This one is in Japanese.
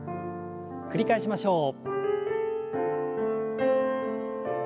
繰り返しましょう。